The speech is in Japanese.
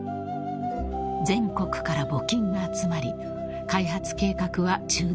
［全国から募金が集まり開発計画は中断されました］